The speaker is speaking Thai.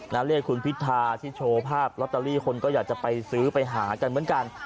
เรียกคุณพิธาที่โชว์ภาพลอตเตอรี่คนก็อยากจะไปซื้อไปหากันเหมือนกัน